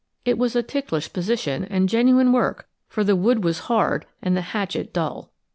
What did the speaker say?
It was a ticklish position and genuine work, for the wood was hard and the hatchet dull.